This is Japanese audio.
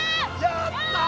やった！